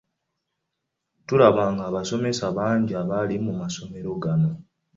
Tulaba ng’abasomesa bangi abali mu masomero gano.